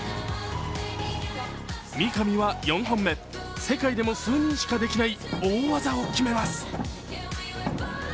三上は４本目、世界でも数人しかできない大技を決めます。